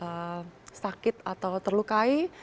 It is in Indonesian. mereka bebas dari rasa sakit atau terlukai